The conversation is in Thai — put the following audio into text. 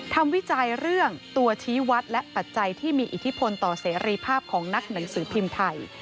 วิจัยเรื่องตัวชี้วัดและปัจจัยที่มีอิทธิพลต่อเสรีภาพของนักหนังสือพิมพ์ไทย